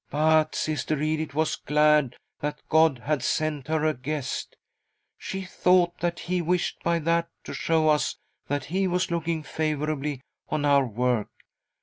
But 'Sister Edith was glad that God had sent her a guest — she thought that He wished by that to show us that He was looking favourably on our work.